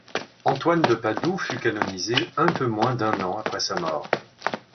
Antoine de Padoue fut canonisé un peu moins d'un an après sa mort.